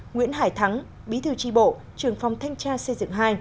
nguyễn hải thắng bí thư tri bộ trưởng phòng thanh tra xây dựng hai